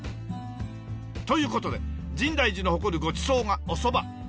という事で深大寺の誇るごちそうがおそば。